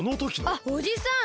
あっおじさん！